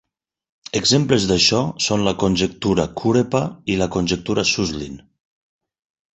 Exemples d'això són la conjectura Kurepa i la conjectura Suslin.